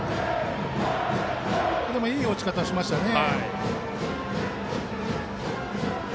でも、いい落ち方をしましたね。